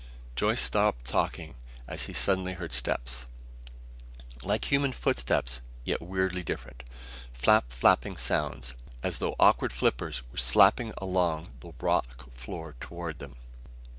Joyce stopped talking as he suddenly heard steps, like human footsteps yet weirdly different flap flapping sounds as though awkward flippers were slapping along the rock floor toward them.